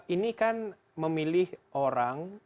ini kan memilih orang